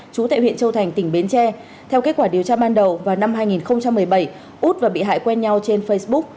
chú tại huyện châu thành tỉnh bến tre theo kết quả điều tra ban đầu vào năm hai nghìn một mươi bảy út và bị hại quen nhau trên facebook